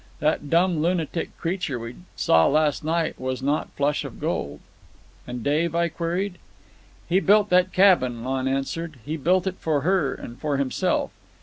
That dumb, lunatic creature we saw last night was not Flush of Gold." "And Dave?" I queried. "He built that cabin," Lon answered, "He built it for her ... and for himself.